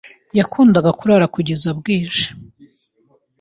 Yakundaga kurara kugeza bwije.